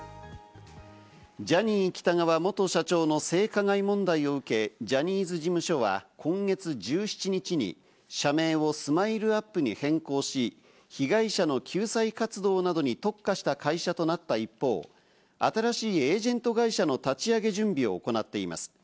ジャニー喜多川元社長の性加害問題を受け、ジャニーズ事務所は今月１７日に社名をＳＭＩＬＥ‐ＵＰ．に変更し、被害者の救済活動などに特化した会社となった一方、新しいエージェント会社の立ち上げ準備を行っています。